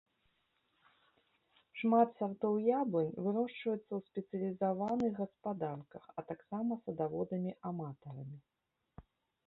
Шмат сартоў яблынь вырошчваецца ў спецыялізаваных гаспадарках, а таксама садаводамі-аматарамі.